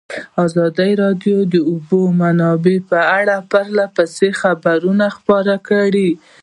ازادي راډیو د د اوبو منابع په اړه پرله پسې خبرونه خپاره کړي.